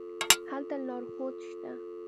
هلته لارښود شته.